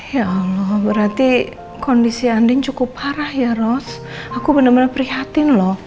ya allah berarti kondisi andin cukup parah ya rose aku bener bener prihatin loh